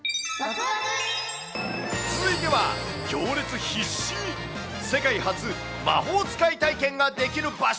続いては行列必至、世界初、魔法使い体験ができる場所。